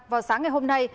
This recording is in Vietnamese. vào sáng ngày hôm nay